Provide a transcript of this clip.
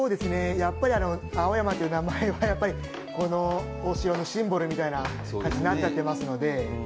やっぱりあの「青山」という名前はやっぱりこのお城のシンボルみたいな感じになっちゃってますので。